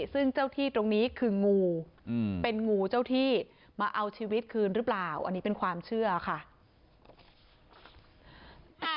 ซึ่งเจ้าที่ตรงนี้คืองูเป็นงูเจ้าที่มาเอาชีวิตคืนหรือเปล่าอันนี้เป็นความเชื่อค่ะ